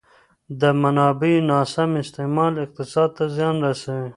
د منابعو ناسم استعمال اقتصاد ته زیان رسوي.